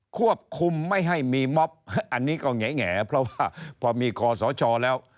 ควบคุมไม่ให้มีม็อบอันนี้ก็แง่เพราะว่าพอมีคอสชแล้ว